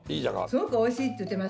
すごくおいしいって言ってました。